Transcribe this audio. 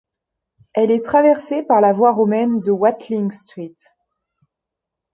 Elle est traversée par la voie romaine de Watling Street.